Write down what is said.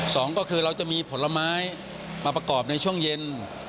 สองก็คือเราจะมีผลไม้มาประกอบในช่วงเย็น